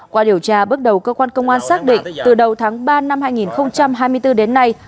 qua điều tra bước đầu cơ quan công an xác định từ đầu tháng ba năm hai nghìn hai mươi bốn đến nay